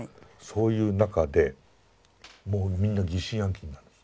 そういう中でもうみんな疑心暗鬼になる。